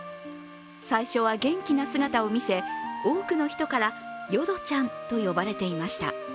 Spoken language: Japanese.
最初は元気な姿を見せ多くの人からヨドちゃんと呼ばれていました。